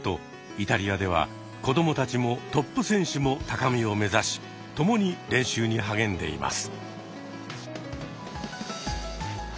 イタリアでは子どもたちもトップ選手も高みをめざし共に練習に励んでいます。